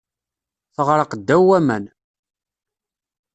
Teɣṛeq ddaw waman.